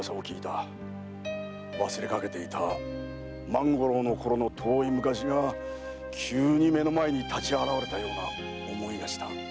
忘れかけていた万五郎のころの遠い昔が急に目の前にたち現れたような想いがした。